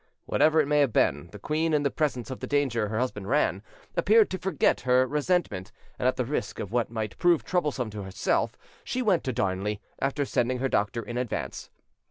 Whatever it may have been, the queen, in the presence of the danger her husband ran, appeared to forget her resentment, and at the risk of what might prove troublesome to herself, she went to Darnley, after sending her doctor in advance.